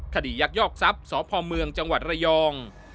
ยักยอกทรัพย์สพเมืองจังหวัดระยอง